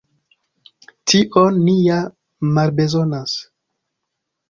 Tion ni ja malbezonas.